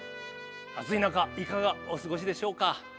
暑い中いかがお過ごしでしょうか。